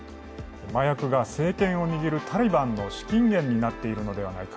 麻薬が政権を握るタリバンの資金源になっているのではないか。